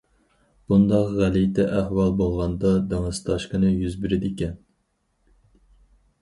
بۇنداق غەلىتە ئەھۋال بولغاندا دېڭىز تاشقىنى يۈز بېرىدىكەن.